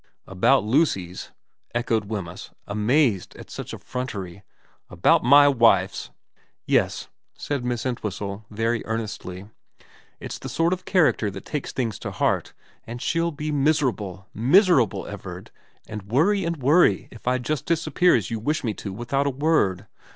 ' About Lucy's ?' echoed Wemyss, amazed at such effrontery. ' About my wife's ?'' Yes,' said Miss Entwhistle, very earnestly. * It's the sort of character that takes things to heart, and she'll be miserable miserable, Everard, and worry and worry if I just disappear as you wish me to without a word.